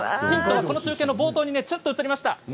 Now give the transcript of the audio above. この中継の冒頭にちょっと映りました。